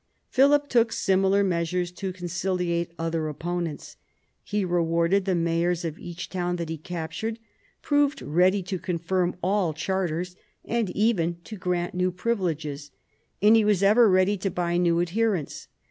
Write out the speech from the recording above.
Philip took similar measures to con ciliate other opponents. He rewarded the mayors of each town that he captured, proved ready to confirm all charters, and even to grant new privileges. And he was ever ready to buy new adherents.